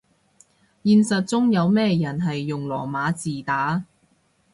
現實中有咩人係用羅馬字打